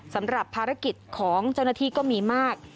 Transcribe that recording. สำหรับภารกิจของเจ้าหน้าที่ก็มีมาก